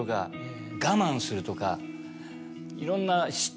いろんな。